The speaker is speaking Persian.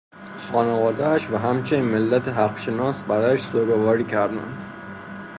خانوادهاش و همچنین ملت حق شناس برایش سوگواری کردند.